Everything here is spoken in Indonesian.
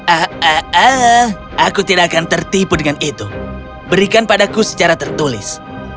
ah aku tidak akan tertipu dengan itu berikan padaku secara tertulis